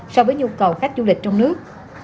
so với nhu cầu khách du lịch trong nước